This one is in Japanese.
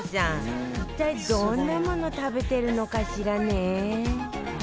一体どんなもの食べてるのかしらね？